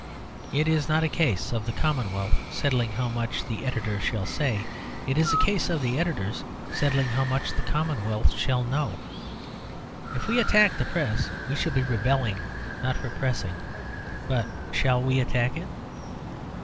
It is not a case of the Commonwealth settling how much the editors shall say; it is a case of the editors settling how much the Commonwealth shall know. If we attack the Press we shall be rebelling, not repressing. But shall we attack it?